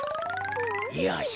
よし。